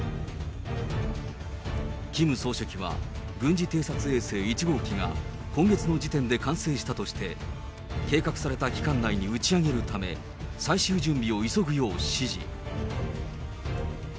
キム総書記は軍事偵察衛星１号機が、今月の時点で完成したとして、計画された期間内に打ち上げるため、最終準備を急ぐよう指示。